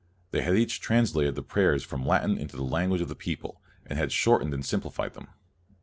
They had each translated the prayers from Latin into the language of the people, and had shortened and simpli fied them.